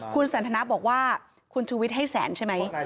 คุณสันทนาบอกว่าคุณชูวิทย์ให้แสนใช่ไหม